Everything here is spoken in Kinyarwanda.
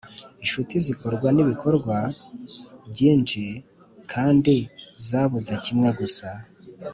inshuti zikorwa nibikorwa byinshi - kandi zabuze kimwe gusa